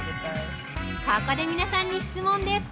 ここで、皆さんに質問です。